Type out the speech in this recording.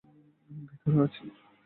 আমি ভেতরে আছি।